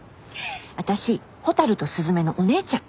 私蛍と雀のお姉ちゃん。